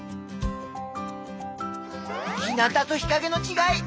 日なたと日かげのちがい